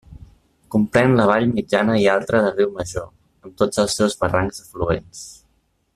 Comprèn la vall mitjana i altra del Riu Major, amb tots els seus barrancs afluents.